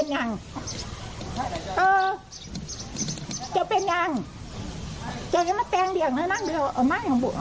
อย่าใจเย็นนะอย่าใจเย็นนะ